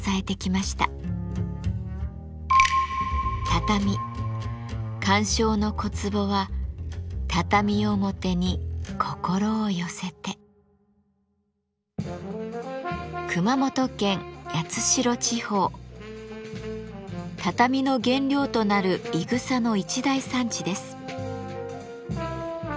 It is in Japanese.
畳鑑賞の小壺は畳の原料となるいぐさの一大産地です。